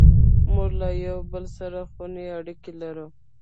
موږ له یو بل سره خوني اړیکې لرو.